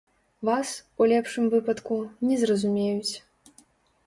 Вас, у лепшым выпадку, не зразумеюць.